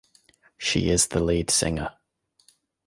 She is the leader singer.